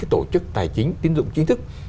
tổ chức tài chính tiến dụng chính thức